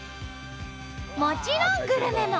もちろんグルメも！